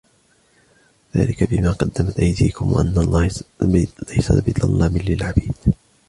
ذَلِكَ بِمَا قَدَّمَتْ أَيْدِيكُمْ وَأَنَّ اللَّهَ لَيْسَ بِظَلَّامٍ لِلْعَبِيدِ